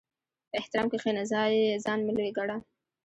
په احترام کښېنه، ځان مه لوی ګڼه.